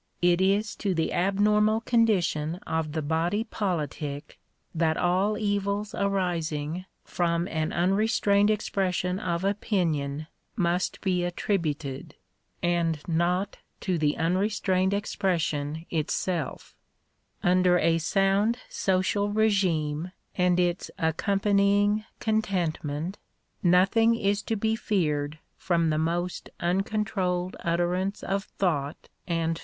It is to the abnormal condition of the body politic that all evils arising from an unrestrained expression of opinion must be attributed, and not to the unrestrained expression itself. Under a sound social regime and its accompanying contentment, nothing is to be feared from the most uncontrolled utterance of thought and Digitized by VjOOQIC THE RIGHT OF FREE SPEECH.